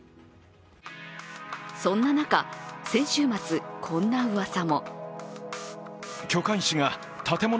そんな中、先週末こんなうわさも。